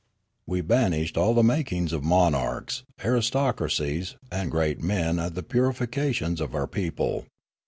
" We banished all the makings of monarchs, aris tocracies, and great men at the purifications of our people.